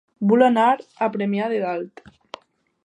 Vull anar a Premià de Dalt